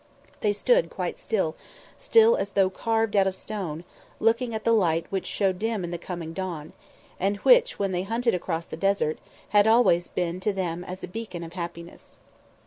They stood quite still, still as though carved, out of stone, looking at the light which showed dim in the coming dawn, and which, when they hunted across the desert, had always been to them as a beacon of happiness.